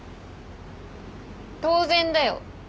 当然だよ。